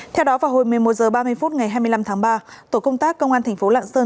theo đó vào hồi một mươi một h ba mươi phút ngày hai mươi năm tháng ba tổ công tác công an thành phố lạng sơn